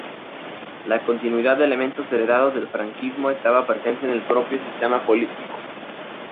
La continuidad de elementos heredados del franquismo estaba presente en el propio sistema político.